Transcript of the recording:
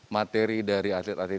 materi dari atlet atlet